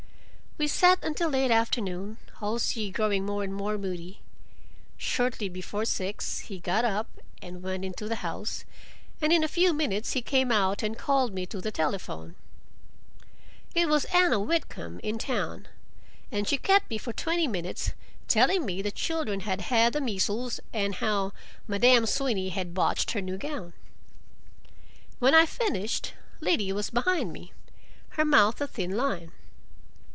We sat until late afternoon, Halsey growing more and more moody. Shortly before six, he got up and went into the house, and in a few minutes he came out and called me to the telephone. It was Anna Whitcomb, in town, and she kept me for twenty minutes, telling me the children had had the measles, and how Madame Sweeny had botched her new gown. When I finished, Liddy was behind me, her mouth a thin line.